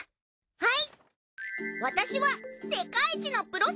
はい。